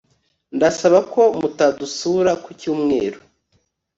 ndasaba ko mutadusura kucyumeru